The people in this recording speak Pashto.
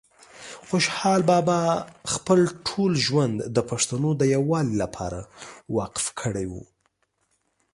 خوشحال بابا خپل ټول ژوند د پښتنو د یووالي لپاره وقف کړی وه